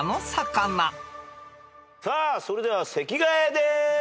さあそれでは席替えです！